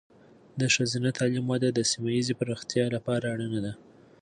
د ښځینه تعلیم وده د سیمه ایزې پرمختیا لپاره اړینه ده.